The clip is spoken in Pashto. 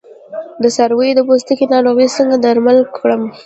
د څارویو د پوستکي ناروغۍ څنګه درمل کړم؟